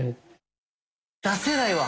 出せないわ！